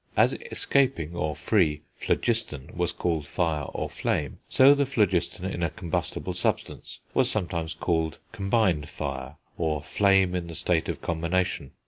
As escaping, or free, phlogiston was called fire, or flame, so the phlogiston in a combustible substance was sometimes called combined fire, or flame in the state of combination.